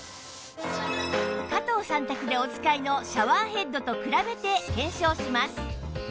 加藤さん宅でお使いのシャワーヘッドと比べて検証します